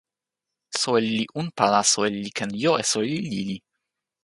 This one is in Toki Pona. soweli li unpa la, soweli li ken jo e soweli lili.